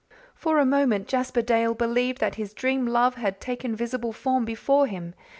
For a moment Jasper Dale believed that his dream love had taken visible form before him.